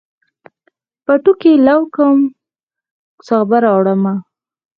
پټوکي لو کوم، سابه راوړمه